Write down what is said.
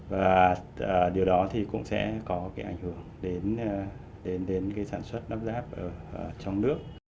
và điều đó cũng sẽ có ảnh hưởng đến sản xuất lắp ráp trong nước